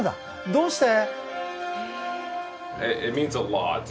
どうして？